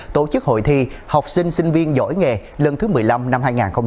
tổ chức hội thi học sinh sinh viên giỏi nghề lần thứ một mươi năm năm hai nghìn hai mươi